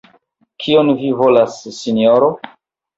Kion vi volas, sinjoro?